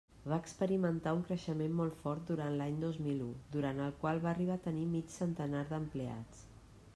Va experimentar un creixement molt fort durant l'any dos mil u, durant el qual va arribar a tenir mig centenar d'empleats.